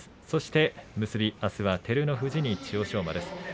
そして結び、あすは照ノ富士に千代翔馬です。